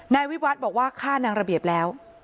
นายวิวัฒน์บอกว่าฆ่านางระเบียบแล้ว